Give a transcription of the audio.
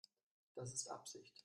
Das ist Absicht.